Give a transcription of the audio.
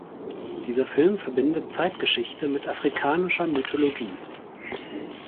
Dieser Film verbindet Zeitgeschichte mit afrikanischer Mythologie.